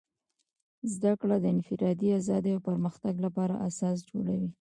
زدهکړه د انفرادي ازادۍ او پرمختګ لپاره اساس جوړوي.